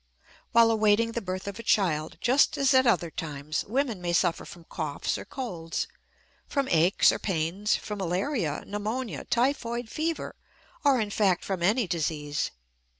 While awaiting the birth of a child, just as at other times, women may suffer from coughs or colds, from aches or pains, from malaria, pneumonia, typhoid fever, or in fact from any disease.